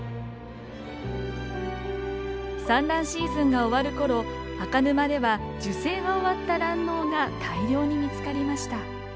産卵シーズンが終わる頃赤沼では受精が終わった卵のうが大量に見つかりました。